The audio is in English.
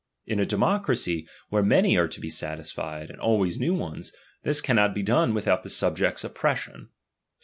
In a democracy, where many are to be satisfied, and always new ones, this cannot be done without the subject's oppression.